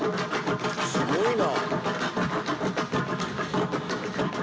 すごいな！